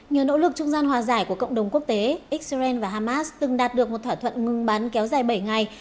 nhờ nỗ lực trung gian hòa giải của cộng đồng quốc tế israel và hamas từng đạt được một thỏa thuận ngừng bắn kéo dài bảy ngày